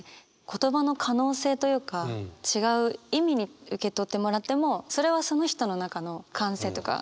言葉の可能性というか違う意味に受け取ってもらってもそれはその人の中の感性というか